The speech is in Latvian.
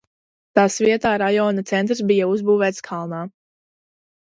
Tās vietā rajona centrs bija uzbūvēts kalnā.